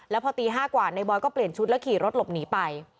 แล้วพอตี๕กว่าในบอยก็เปลี่ยนชุดแล้วขี่รถหลบหนีไป